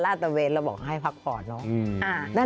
ตะเวนแล้วบอกให้พักผ่อนเนาะ